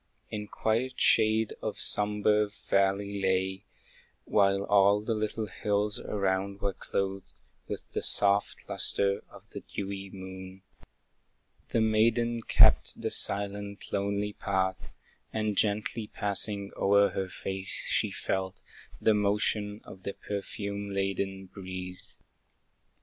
In quiet shade the sombre valley lay, While all the little hills around were clothed With the soft lustre of the dewy moon. The maiden kept the silent, lonely path, And gently passing o'er her face, she felt The motion of the perfume laden breeze.